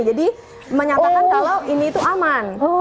jadi menyatakan kalau ini itu aman